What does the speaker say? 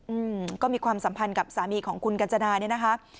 อืมก็มีความสัมพันธ์กับสามีของคุณกัญจนาเนี่ยนะคะ